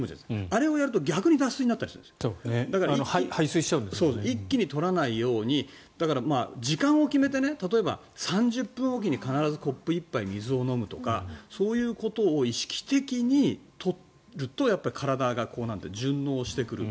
あれをやると逆に脱水になるので一気に取らないように時間を決めて例えば３０分おきにコップ１杯水を飲むとかそういうことを意識的に取ると体が順応してくる。